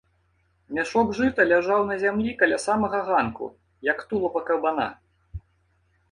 Мяшок жыта ляжаў на зямлі каля самага ганку, як тулава кабана.